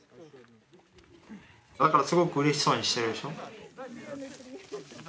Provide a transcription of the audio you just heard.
だからすごくうれしそうにしてるでしょ。